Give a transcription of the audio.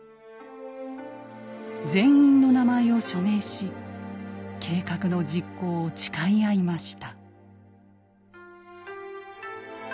全員の名前を署名し計画の実行を誓い合いました。